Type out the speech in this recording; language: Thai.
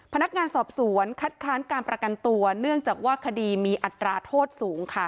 พนักงานสอบสวนคัดค้านการประกันตัวเนื่องจากว่าคดีมีอัตราโทษสูงค่ะ